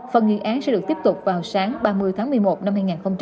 phần nghị án sẽ được tiếp tục vào sáng ba mươi tháng một mươi một năm hai nghìn hai mươi